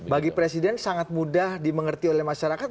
bagi presiden sangat mudah dimengerti oleh masyarakat